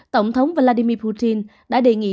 tổng thống vladimir putin đã đề nghị